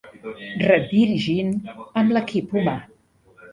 Redirigint amb l'equip humà.